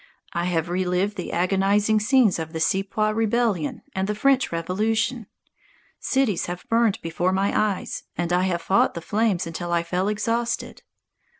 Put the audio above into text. I have re lived the agonizing scenes of the Sepoy Rebellion and the French Revolution. Cities have burned before my eyes, and I have fought the flames until I fell exhausted.